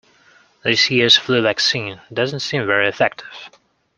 This year's flu vaccine doesn't seem very effective